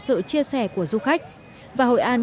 sự chia sẻ của du khách và hội an